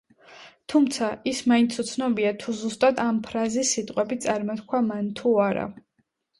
თუმცა, ის მაინც უცნობია თუ ზუსტად ამ ფრაზის სიტყვები წარმოთქვა მან თუ არა.